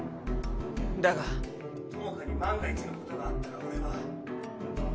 だが友果に万が一のことがあったら俺は